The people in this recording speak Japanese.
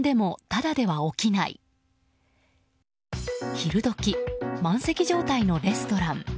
昼時、満席状態のレストラン。